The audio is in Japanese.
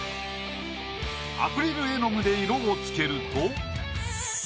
アクリル絵の具で色をつけると。